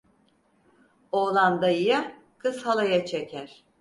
Oğlan dayıya, kız halaya çeker.